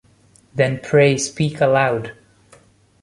Then pray speak aloud.